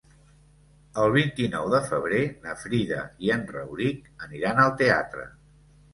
El vint-i-nou de febrer na Frida i en Rauric aniran al teatre.